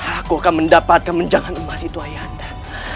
aku akan mendapatkan menjangan emas itu ayah anda